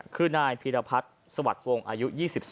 คือนายพิรพัฒน์สวัสดิ์ทำพวกอายุ๒๒